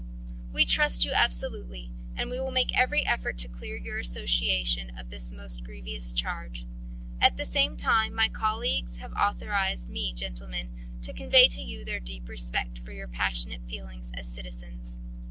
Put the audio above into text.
"We trust you absolutely, and we will make every effort to clear your association of this most grievous charge. At the same time my colleagues have authorised me, gentlemen, to convey to you their deep respect for your passionate feelings as citizens.